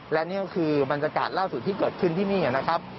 และนี่ก็คือบรรยากาศล่าสุดที่เกิดขึ้นที่นี่นะครับ